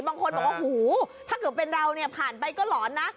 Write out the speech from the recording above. บางคนบอกว่าหูถ้าเกิดเป็นเราเนี่ยผ่านไปก็หลอนนะ